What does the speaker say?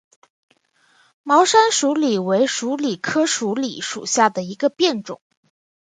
毛山鼠李为鼠李科鼠李属下的一个变种。